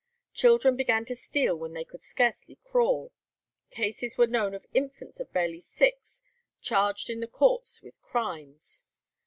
Children began to steal when they could scarcely crawl. Cases were known of infants of barely six charged in the courts with crimes.